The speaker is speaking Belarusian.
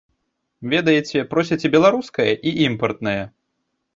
Ведаеце, просяць і беларускае, і імпартнае.